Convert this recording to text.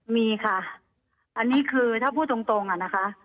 มีค่ะอันนี้คือถ้าพูดตรงอะนะคะ